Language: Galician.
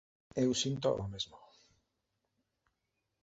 Eu sinto o mesmo.